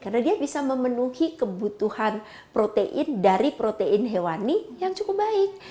karena dia bisa memenuhi kebutuhan protein dari protein hewani yang cukup baik